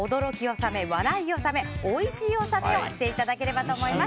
納めおいしい納めをしていただければと思います。